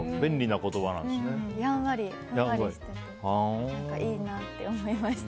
やんわり、ふんわりしてていいなって思いました。